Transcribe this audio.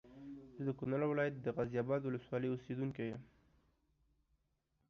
زه د کونړونو ولايت د غازي اباد ولسوالۍ اوسېدونکی یم